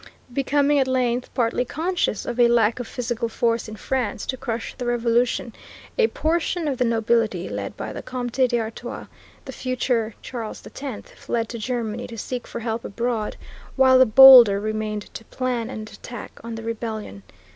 Becoming at length partly conscious of a lack of physical force in France to crush the revolution, a portion of the nobility, led by the Comte d'Artois, the future Charles X, fled to Germany to seek for help abroad, while the bolder remained to plan an attack on the rebellion.